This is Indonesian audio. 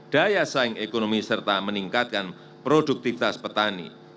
daya saing ekonomi serta meningkatkan produktivitas petani